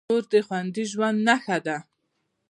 کور د خوندي ژوند نښه ده.